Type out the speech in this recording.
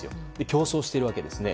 競争しているわけですね。